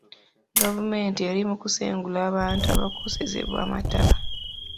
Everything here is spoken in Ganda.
Gavumenti eri mu kusengula bantu abaakosebwa amataba.